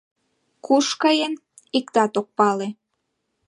Куш каен, иктат ок пале.